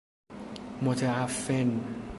متعفن